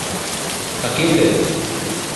Aquí ho tens!